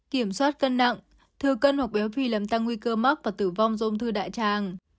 kiểm soát cân nặng thừa cân hoặc béo phì làm tăng nguy cơ mắc và tử vong do ung thư đại tràng